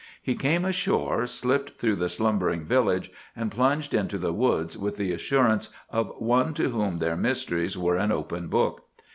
He came ashore, slipped through the slumbering village, and plunged into the woods with the assurance of one to whom their mysteries were an open book.